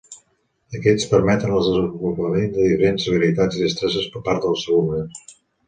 Aquests permeten el desenvolupament de diferents habilitats i destreses per part dels alumnes.